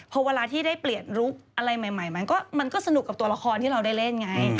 พอเวลาที่ได้เปลี่ยนลุคอะไรใหม่มันก็สนุกกับตัวละครที่เราได้เล่นไง